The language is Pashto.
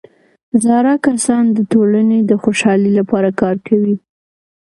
زاړه کسان د ټولنې د خوشحالۍ لپاره کار کوي